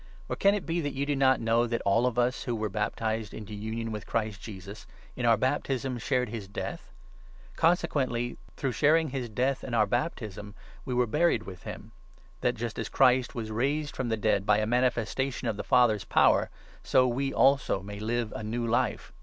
Or can it be that you do not know that all of us, who were 3 baptized into union with Christ Jesus, in our baptism shared his death ? Consequently, through sharing his death in our 4 baptism, we were buried with him ; that, just as Christ was raised from the dead by a manifestation of the Father's power, so we also may live a new Life.